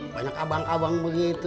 banyak abang abang begitu